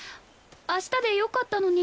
明日でよかったのに。